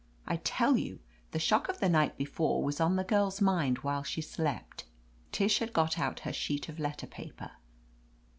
I tell you, the shock of the night befor^'was on the girl's mind while she slept." Tish had got out her sheet of letter paper.